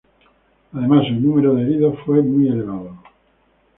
Además el número de heridos fue muy elevado.